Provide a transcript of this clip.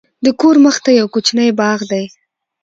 د کور مخته یو کوچنی باغ دی.